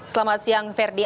selamat siang verdi